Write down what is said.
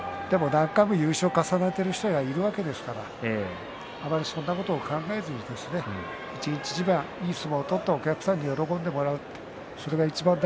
何回も優勝している人がいるわけですからそんなこと考えずに一日一番、相撲を取ってお客さんに喜んでもらうと。